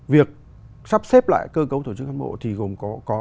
việc sắp xếp lại cơ cấu tổ chức cán bộ thì gồm có